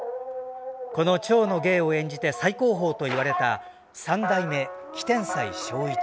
この蝶の芸を演じて最高峰といわれた三代目・帰天斎正一。